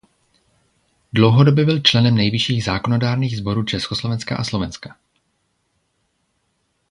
Dlouhodobě byl členem nejvyšších zákonodárných sborů Československa a Slovenska.